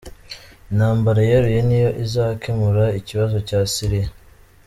Intambara yeruye niyo izakemura ikibazo cya Syria.